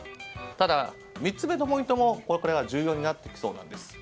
ただ、３つ目のポイントもこれから重要になってきそうなんです。